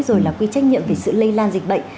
rồi là quy trách nhiệm về sự lây lan dịch bệnh